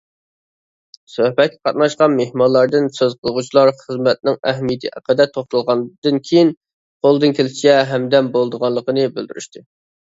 سۆھبەتكە قاتناشقان مېھمانلاردىن سۆز قىلغۇچىلار خىزمەتنىڭ ئەھمىيىتى ھەققىدە توختالغاندىن كېيىن، قولىدىن كېلىشىچە ھەمدەم بولىدىغانلىقىنى بىلدۈرۈشتى.